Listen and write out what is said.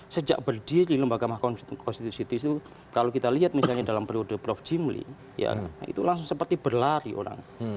sejak berdiri lembaga mahkamah konstitusi itu kalau kita lihat misalnya dalam periode prof jimli ya itu langsung seperti berlari orang